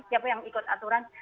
siapa yang ikut aturan